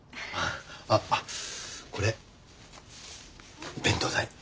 あっこれ弁当代。